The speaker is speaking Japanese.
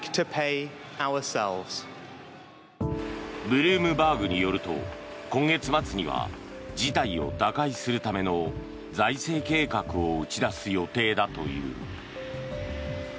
ブルームバーグによると今月末には事態を打開するための財政計画を打ち出す予定だという。